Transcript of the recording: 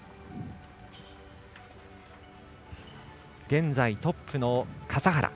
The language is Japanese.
現在トップの笠原。